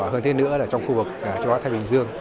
hơn thế nữa là trong khu vực châu á thái bình dương